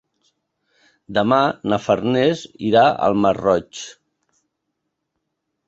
Demà na Farners irà al Masroig.